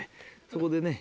そこでね。